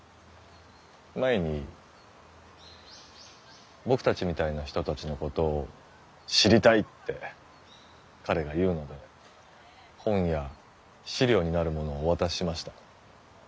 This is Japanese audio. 前に僕たちみたいな人たちのことを知りたいって彼が言うので本や資料になるものをお渡ししました。